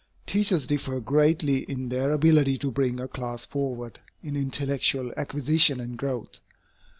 Teachers differ greatly in their ability to bring a class forward in intellectual acquisition and growth.